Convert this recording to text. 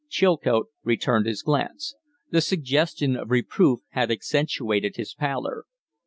Chilcote returned his glance. The suggestion of reproof had accentuated his pallor.